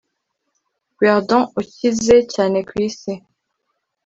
guerdon ukize cyane kwisi,